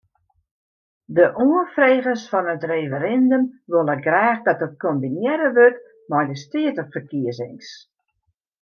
De oanfregers fan it referindum wolle graach dat it kombinearre wurdt mei de steateferkiezings.